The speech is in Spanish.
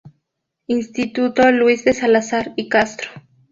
Instituto Luis de Salazar y Castro.